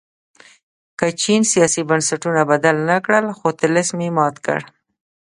که چین سیاسي بنسټونه بدل نه کړل خو طلسم یې مات کړ.